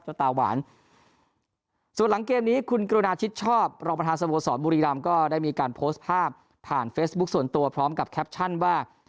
ตาหวานส่วนหลังเกมนี้คุณกรุณาชิดชอบรองประธานสโมสรบุรีรำก็ได้มีการโพสต์ภาพผ่านเฟซบุ๊คส่วนตัวพร้อมกับแคปชั่นว่า